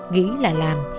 nghĩ là làm